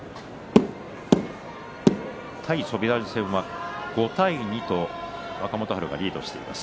対翔猿戦は５対２と若元春がリードしています。